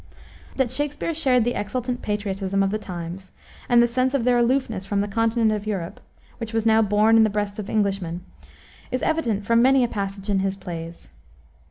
That Shakspere shared the exultant patriotism of the times, and the sense of their aloofness from the continent of Europe, which was now born in the breasts of Englishmen, is evident from many a passage in his plays.